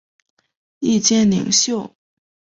意见领袖。